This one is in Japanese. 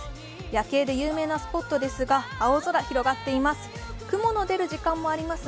夜景で有名なスポットですが、青空、広がっています。